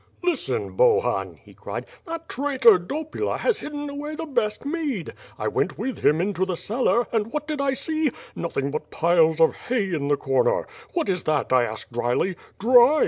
"Listen, Bohun,*' he cried, "that traitor Dopula has hidden away the best mead. I went with him into the cellar — ^and what did T see? Nothing but piles of hay in the comer. What is that, I asked dryly. 'Dry.'